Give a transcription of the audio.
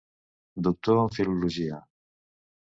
Doctor en filologia.